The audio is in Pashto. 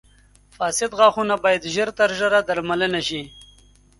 • فاسد غاښونه باید ژر تر ژره درملنه شي.